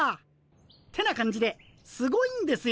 ってな感じですごいんですよ